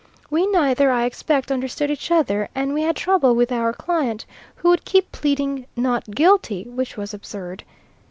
We neither, I expect, understood each other, and we had trouble with our client, who would keep pleading "Not guilty," which was absurd.